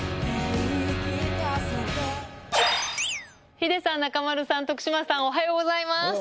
ヒデさん、中丸さん、徳島さん、おはようございます。